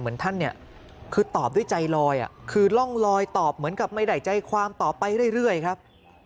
เหมือนท่านเนี่ยคือตอบด้วยใจลอยคือร่องลอยตอบเหมือนกับไม่ได้ใจความต่อไปเรื่อยครับ